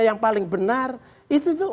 yang paling benar itu tuh